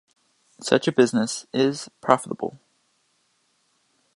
Such a business is profitable.